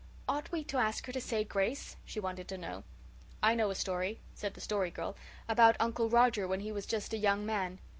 "Ought we to ask her to say grace?" she wanted to know. "I know a story," said the Story Girl, "about Uncle Roger when he was just a young man.